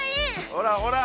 ほらほら！